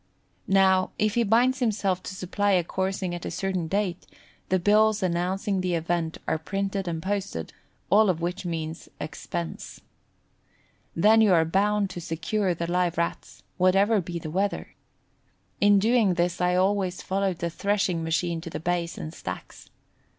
Now, if he binds himself to supply a coursing at a certain date, the bills announcing the event are printed and posted, all of which means expense. Then you are bound to secure the live Rats, whatever be the weather. In doing this I always followed the threshing machine to the bays and stacks.